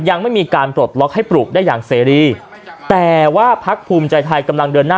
ยังไม่มีการปลดล็อกให้ปลูกได้อย่างเสรีแต่ว่าพักภูมิใจไทยกำลังเดินหน้า